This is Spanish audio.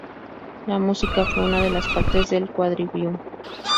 La música fue una de las partes del "Quadrivium".